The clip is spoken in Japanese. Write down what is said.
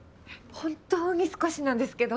本当に少しなんですけど。